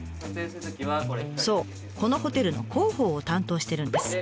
そうこのホテルの広報を担当してるんです。